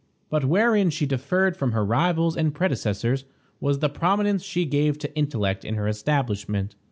But wherein she differed from her rivals and predecessors was the prominence she gave to intellect in her establishment.